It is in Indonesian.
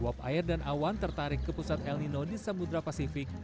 uap air dan awan tertarik ke pusat el nino di samudera pasifik